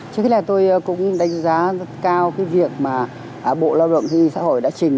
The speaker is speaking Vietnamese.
chứ cái này tôi cũng đánh giá rất cao cái việc mà bộ lao động khi xã hội đã trình